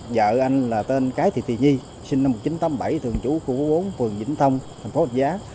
vợ anh là tên cái thị thị nhi sinh năm một nghìn chín trăm tám mươi bảy thường chủ khu bốn phường vĩnh thông thành phố học giá